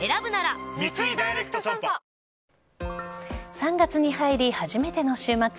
３月に入り初めての週末。